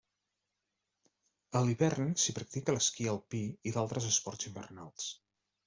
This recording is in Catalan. A l'hivern s'hi practica l'esquí alpí i d'altres esports hivernals.